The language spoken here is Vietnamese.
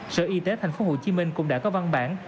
sở y tế tp hcm cũng đã có văn bản